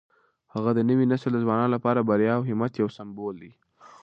هغه د نوي نسل د ځوانانو لپاره د بریا او همت یو سمبول دی.